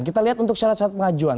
kita lihat untuk syarat syarat pengajuan